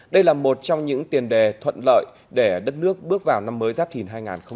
đây là một trong những tiền đề thuận lợi để đất nước bước vào năm mới giáp thìn hai nghìn hai mươi bốn